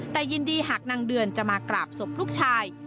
แต่ยินดีหากนางเดือนจะมากราบศพลูกชาย